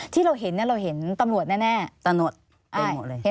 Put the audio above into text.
ที่เราเห็นแล้วเห็นตำรวจแน่